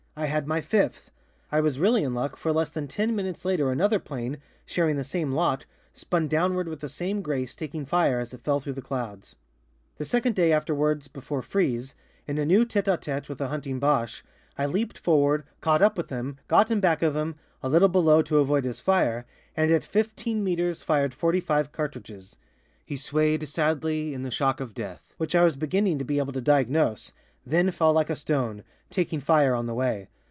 I had my fifth! I was really in luck, for less than ten minutes later another plane, sharing the same lot, spun downward with the same grace, taking fire as it fell through the clouds. "The second day afterwards, before Frise, in a new tête à tête with a hunting Boche, I leaped forward, caught up with him, got in back of him, a little below to avoid his fire, and at 15 meters fired 45 cartridges. He swayed sadly, in the shock of death, which I was beginning to be able to diagnose, then fell like a stone, taking fire on the way.